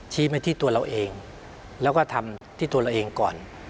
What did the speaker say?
ไปที่ตัวเราเองแล้วก็ทำที่ตัวเราเองก่อน